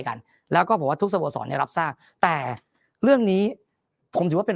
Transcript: กันแล้วก็บอกว่าทุกสโมสรได้รับทราบแต่เรื่องนี้ผมถือว่าเป็น